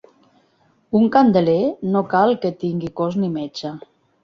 Un candeler no cal que tingui cos ni metxa.